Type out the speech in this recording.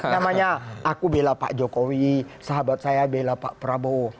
namanya aku bela pak jokowi sahabat saya bela pak prabowo